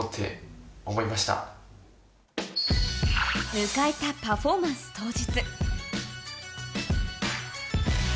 迎えたパフォーマンス当日。